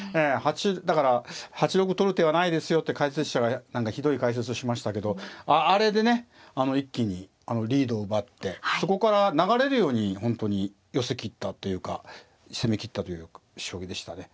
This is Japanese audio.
だから８六取る手はないですよって解説者が何かひどい解説をしましたけどあれでね一気にリードを奪ってそこから流れるように本当に寄せきったっていうか攻めきったという将棋でしたね。